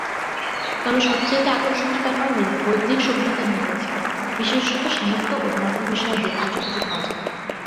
তবে সব চাইতে আকর্ষনীয় ব্যাপার হল বৈদিক সভ্যতার নিদর্শন, বিশেষতঃ সাহিত্য ও ধর্মী বিষয়াদি আজও খুজে পাওয়া যাবে।